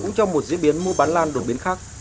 cũng trong một diễn biến mua bán lan đột biến khác